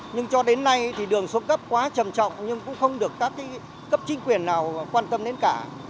nhưng cho đến nay thì đường xuống cấp quá trầm trọng nhưng cũng không được các cấp chính quyền nào quan tâm đến cả